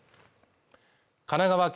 神奈川県